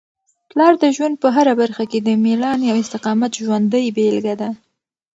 پلار د ژوند په هره برخه کي د مېړانې او استقامت ژوندۍ بېلګه ده.